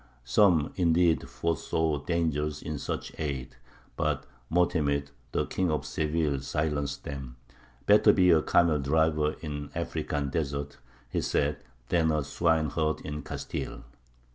Some, indeed, foresaw dangers in such aid; but Mo'temid, the King of Seville, silenced them: "Better be a camel driver in African deserts," he said, "than a swineherd in Castile!"